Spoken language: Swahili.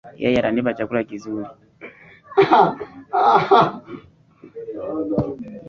Yeye atanipa chakula kizuri